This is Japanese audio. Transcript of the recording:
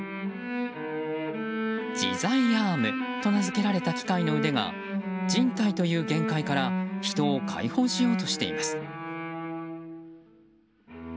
自在アームと名付けられた機械の腕が人体という限界から人を解放しようとしています。